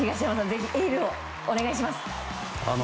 ぜひエールをお願いします。